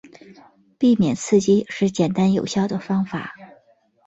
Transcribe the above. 避免刺激是简单有效的方法。